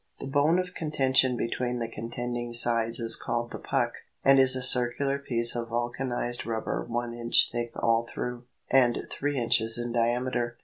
The bone of contention between the contending sides is called the puck, and is a circular piece of vulcanized rubber one inch thick all through, and three inches in diameter.